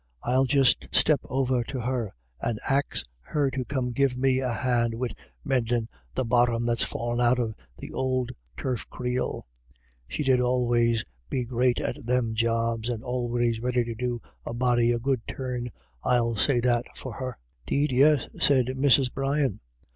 I'll just step over to her and axe her to come give me a hand wid mendin' the bottom that's fallin* out of th'ould HERSELF. 159 turf creel. She did always be great at them jobs, and always ready to do a body a good turn, I'll say that for her." u 'Deed yis," said Mrs. Brian.